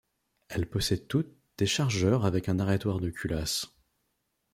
Elles possèdent toutes des chargeurs avec un arrêtoir de culasse.